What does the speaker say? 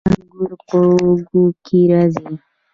انګور په وږو کې راځي